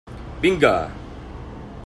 Vinga!